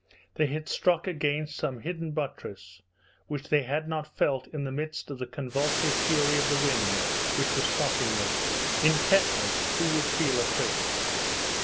They had struck against some hidden buttress which they had not felt in the midst of the convulsive fury of the wind which was tossing them. In tetanus who would feel a prick?